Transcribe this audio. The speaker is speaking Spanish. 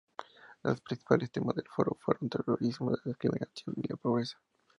Los principales temas del foro fueron el terrorismo, la discriminación y la pobreza.